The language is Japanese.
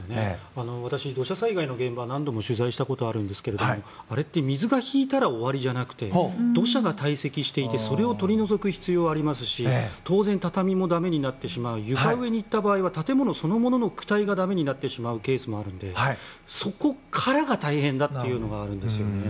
私、土砂災害の現場を何度も取材したことありますがあれって水が引いたら終わりじゃなくて土砂が堆積していてそれを取り除く必要がありますし当然、畳もだめになってしまう床上に行った場合は建物そのものがだめになってしまうケースもあるので、そこからが大変というのがあるんですよね。